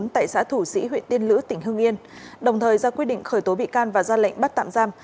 tại xã thủ sĩ huyện tiên lữ tỉnh hương yên đồng thời ra quyết định khởi tố bị can và ra lệnh bắt tạm giam